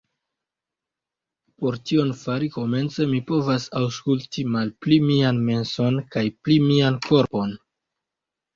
Por tion fari, komence mi povas aŭskulti malpli mian menson kaj pli mian korpon.